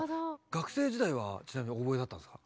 学生時代はちなみにオーボエだったんですか？